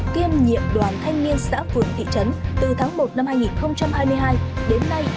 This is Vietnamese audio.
kiêm nhiệm đoàn thanh niên xã phường thị trấn từ tháng một năm hai nghìn hai mươi hai đến nay